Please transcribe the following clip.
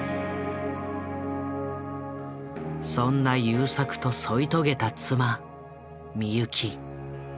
そんな優作と添い遂げた妻美由紀。